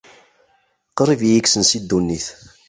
Qrib i yi-kksen si ddunit.